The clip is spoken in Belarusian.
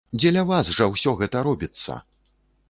Дзеля вас жа ўсё гэта робіцца!